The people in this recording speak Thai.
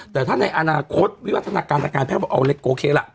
แต่ถ้าในอนาคตวิวัฒนาการทางการแพทย์บอกเอาเล็กโอเคล่ะ